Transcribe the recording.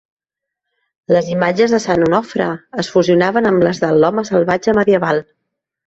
Les imatges de Sant Onofre es fusionaven amb les de l'"home salvatge" medieval.